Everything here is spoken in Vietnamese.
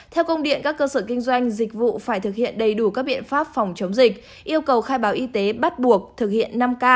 theo công điện các cơ sở kinh doanh dịch vụ phải thực hiện đầy đủ các biện pháp phòng chống dịch yêu cầu khai báo y tế bắt buộc thực hiện năm k